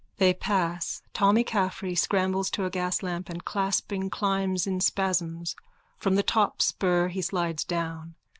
_(They pass. Tommy Caffrey scrambles to a gaslamp and, clasping, climbs in spasms. From the top spur he slides down.